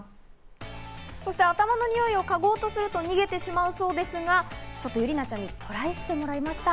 そして頭のにおいを嗅ごうとすると逃げてしまうそうですが、ちょっと、ゆりなちゃんにトライしてもらいました。